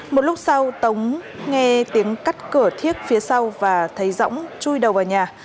một lúc sau dõng nghe tiếng cắt cửa thiếc phía sau và thấy dõng chui đầu vào nhà